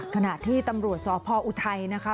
ขณะที่ตำรวจสพออุทัยนะคะ